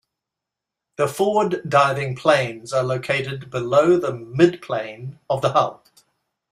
The forward diving planes are located below the midplane of the hull.